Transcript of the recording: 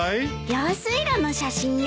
用水路の写真よ。